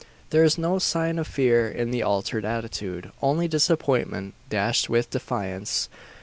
There is no sign of fear in the altered attitude only disappointment, dashed with defiance.